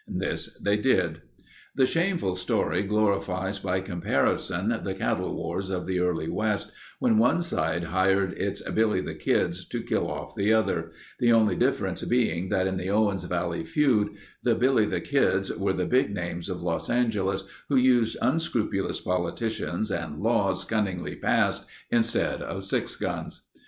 This they did. The shameful story glorifies by comparison the cattle wars of the early West when one side hired its Billy the Kids to kill off the other—the only difference being that in the Owens Valley feud the Billy the Kids were the Big Names of Los Angeles who used unscrupulous politicians and laws cunningly passed instead of six guns.